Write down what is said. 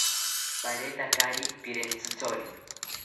Paretakari pirentzithori